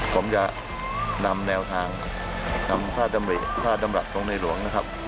ผมจะนำแนวทางขาดดำเหวะถ้ามาตัวในหลวงนะครับ